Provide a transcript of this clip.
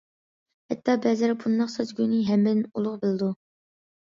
ھەتتا بەزىلەر بۇنداق سەزگۈنى ھەممىدىن ئۇلۇغ بىلىدۇ.